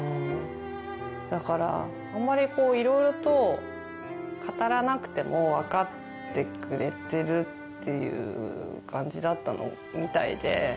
だからあまり色々と語らなくてもわかってくれてるっていう感じだったみたいで。